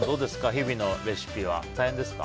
日々のレシピは大変ですか？